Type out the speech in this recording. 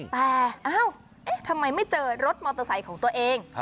แต่ทำไมไม่เจอรถมอเตอร์ไซค์ของตัวเอง